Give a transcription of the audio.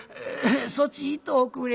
「そっち行っとおくれ。